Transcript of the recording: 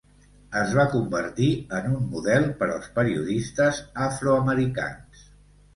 Es va convertir en un model per als periodistes afroamericans.